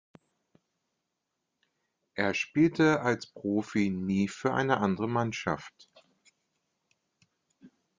Er spielte als Profi nie für eine andere Mannschaft.